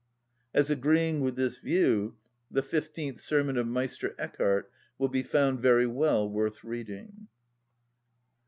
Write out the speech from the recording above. _" As agreeing with this view the fifteenth sermon of Meister Eckhard will be found very well worth reading.